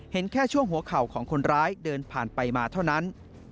เห็นแค่ช่วงหัวเข่าของคนร้ายเดินผ่านไปมาเท่านั้น